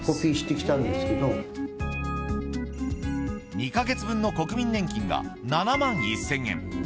２か月分の国民年金が７万１０００円。